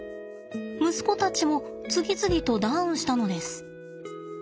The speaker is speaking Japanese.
息子たちも次々とダウンしたのです。